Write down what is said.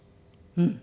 うん。